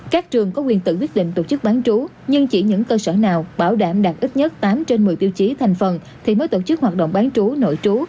các trường có quyền tự quyết định tổ chức bán trú nhưng chỉ những cơ sở nào bảo đảm đạt ít nhất tám trên một mươi tiêu chí thành phần thì mới tổ chức hoạt động bán trú nội trú